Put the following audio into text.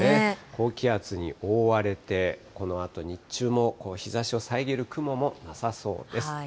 高気圧に覆われて、このあと日中も、日ざしを遮る雲もなさそうです。